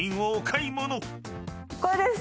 これです。